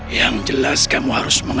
yang jelas kamu harus mengerti